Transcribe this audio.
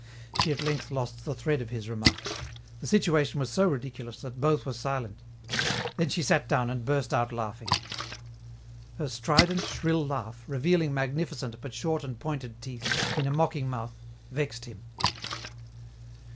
She at length lost the thread of his remarks. The situation was so ridiculous that both were silent. Then she sat down and burst out laughing. Her strident, shrill laugh, revealing magnificent, but short and pointed teeth, in a mocking mouth, vexed him.